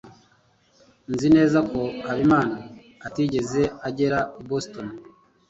Nzi neza ko Habimana atigeze agera i Boston.